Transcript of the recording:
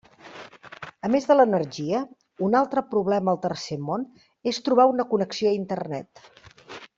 A més de l'energia, un altre problema al tercer món és trobar una connexió a Internet.